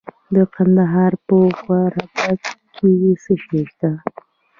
د کندهار په غورک کې څه شی شته؟